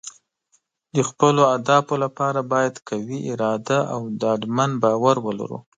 د خپلو اهدافو لپاره باید قوي اراده او ډاډمن باور ولرو.